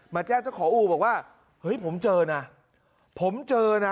แจ้งเจ้าของอู่บอกว่าเฮ้ยผมเจอนะผมเจอนะ